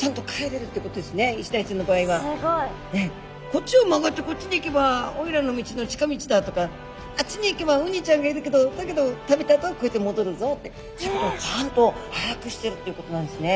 「こっちを曲がってこっちに行けばオイラの道の近道だ」とか「あっちに行けばウニちゃんがいるけどだけど食べたあとはこうやってもどるぞ」ってちゃんと把握してるっていうことなんですね。